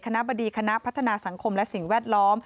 บดีคณะพัฒนาสังคมและสิ่งแวดล้อม